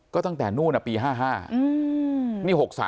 ก็ตั้งแต่นู่นปี๕๕นี่๖๓